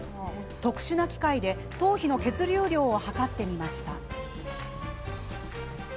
特殊な機械で頭皮の血流量を測ってみました。